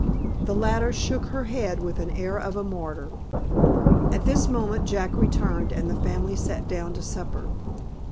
The latter shook her head with the air of a martyr. At this moment Jack returned, and the family sat down to supper.